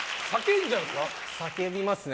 叫びますね。